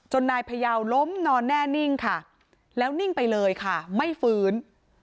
นายพยาวล้มนอนแน่นิ่งค่ะแล้วนิ่งไปเลยค่ะไม่ฟื้น